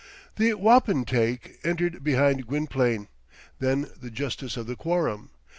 The wapentake entered behind Gwynplaine. Then the justice of the quorum.